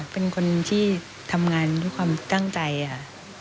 เป็นคนที่ทำงานด้วยความตั้งใจค่ะ